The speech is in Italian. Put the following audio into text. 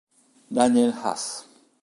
Daniel Huss